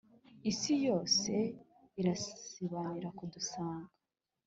Isi yose irasibanira kudusanga